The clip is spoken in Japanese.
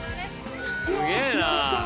すげぇな！